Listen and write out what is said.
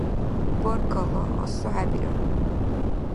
Баркалла, асухӀебирар.